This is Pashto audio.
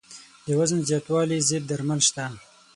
د وزن زیاتوالي ضد درمل شته.